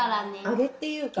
揚げっていうか。